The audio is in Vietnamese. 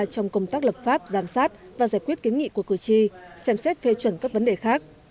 trong công tác lập pháp giám sát và giải quyết kiến nghị của cử tri xem xét phê chuẩn các vấn đề khác